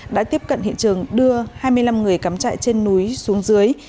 đã tiếp cận hiện trường đưa hai mươi năm người cắm chạy trên núi xuống dưới